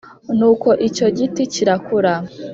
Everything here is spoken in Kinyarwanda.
Nuko icyo giti kirakura